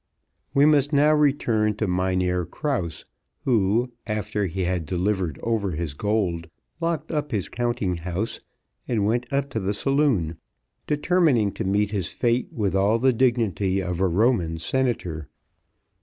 We must now return to Mynheer Krause, who, after he had delivered over his gold, locked up his counting house and went up to the saloon, determining to meet his fate with all the dignity of a Roman senator.